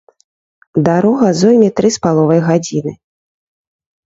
Дарога зойме тры з паловай гадзіны.